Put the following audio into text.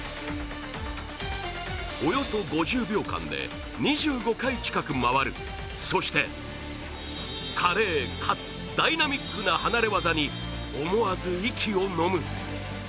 およそ５０秒間で２５回近く回る、そして華麗かつダイナミックな離れ技に思わず息をのむ。